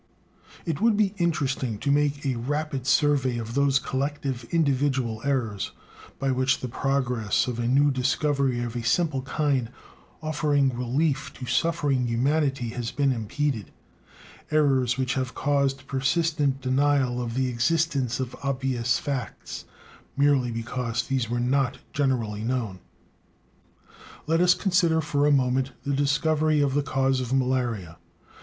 It would be interesting to make a rapid survey of those collective individual errors by which the progress of a new discovery of a simple kind, offering relief to suffering humanity, has been impeded; errors which have even caused persistent denial of the existence of obvious facts, merely because these were not generally known. Let us consider for a moment the discovery of the cause of malaria.